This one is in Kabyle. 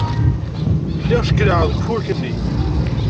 Lliɣ ckellɛeɣ deg ufurk-nni.